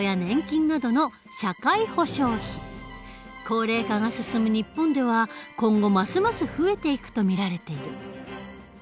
高齢化が進む日本では今後ますます増えていくと見られている。